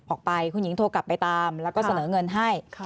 ออกไปคุณหญิงโทรกลับไปตามแล้วก็เสนอเงินให้